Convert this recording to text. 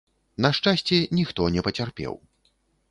На шчасце, ніхто не пацярпеў.